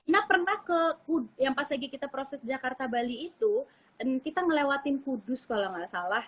nah pernah ke yang pas lagi kita proses jakarta bali itu dan kita ngelewatin kudus kalau nggak salah